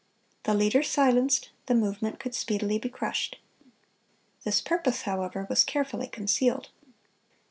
The leader silenced, the movement could speedily be crushed. This purpose, however, was carefully concealed.